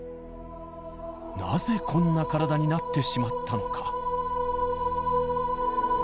なぜこんな体になってしまったのか。